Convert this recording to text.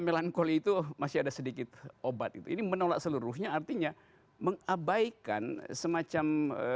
melankoli itu masih ada sedikit obat itu ini menolak seluruhnya artinya mengabaikan semacam